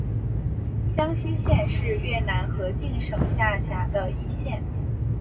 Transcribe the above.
香溪县是越南河静省下辖的一县。